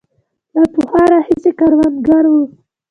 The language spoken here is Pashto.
له پخوا راهیسې کروندګر وو.